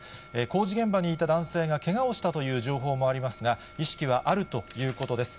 工事現場にいた男性がけがをしたという情報もありますが、意識はあるということです。